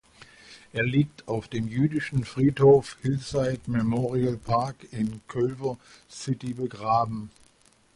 Er liegt auf dem jüdischen Friedhof Hillside Memorial Park in Culver City begraben.